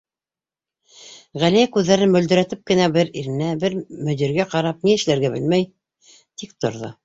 Ғәлиә күҙҙәрен мөлдөрәтеп кенә бер иренә, бер мөдиргә ҡарап ни эшләргә белмәй тик торҙо.